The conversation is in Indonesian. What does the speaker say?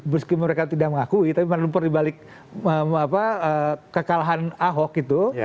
meski mereka tidak mengakui tapi manupur di balik kekalahan ahok itu